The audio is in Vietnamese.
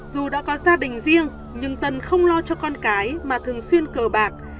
dù đã có gia đình riêng nhưng tân không lo cho con cái mà thường xuyên cờ bạc